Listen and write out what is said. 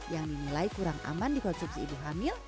yang dinilai kurang aman dikonsumsi ibu hamil